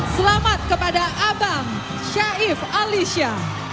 selamat kepada abang syaif alisya